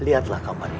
lihatlah kamar ini